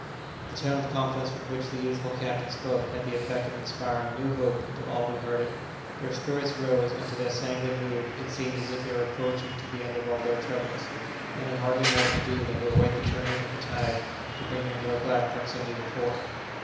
The tone of confidence with which the youthful captain spoke had the effect of inspiring new hope into all who heard him; their spirits rose, and to their sanguine mood it seemed as if they were approaching to the end of all their troubles, and had hardly more to do than to await the turning of a tide to bring them into a glad proximity to port.